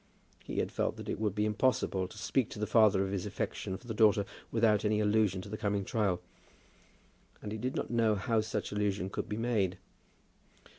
He had felt that it would be impossible to speak to the father of his affection for the daughter without any allusion to the coming trial; and he did not know how such allusion could be made.